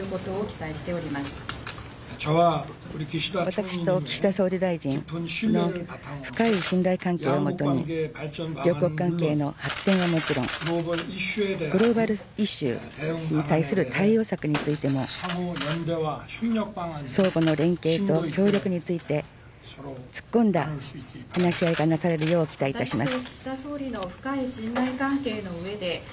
私と岸田総理大臣の深い信頼関係をもとに、両国関係の発展はもちろん、グローバルイシューに対する対応策についても、相互の連携と協力について、突っ込んだ話し合いがなされるよう期待いたします。